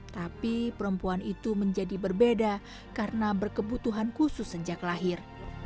tapi perempuan itu menjadi berbeda karena berkebutuhan khusus sejak lahir